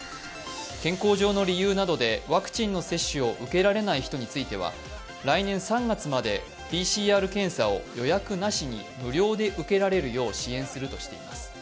健康上の理由などでワクチンの接種を受けられない人には来年３月までＰＣＲ検査を予約なしに無料で受けられるよう支援するとしています。